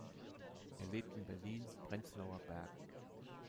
Er lebt in Berlin-Prenzlauer Berg.